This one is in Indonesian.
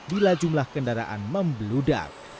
bila jumlah kendaraan membeludak